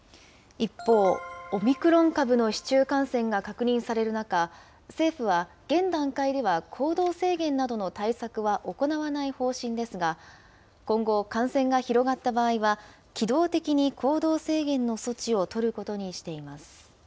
一方、オミクロン株の市中感染が確認される中、政府は現段階では行動制限などの対策は行わない方針ですが、今後、感染が広がった場合は、機動的に行動制限の措置を取ることにしています。